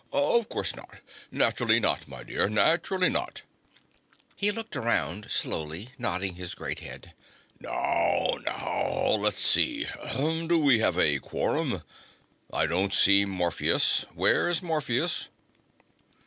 Of course not. Naturally not, my dear. Naturally not." He looked around slowly, nodding his great head. "Now, now. Let's see. Do we have a quorum? I don't see Morpheus. Where's Morpheus?"